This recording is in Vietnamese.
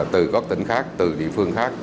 từ các tỉnh khác từ địa phương khác